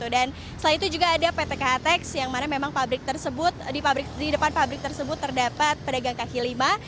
dan setelah itu juga ada ptkh teks yang mana memang di depan pabrik tersebut terdapat pedagang kaki lima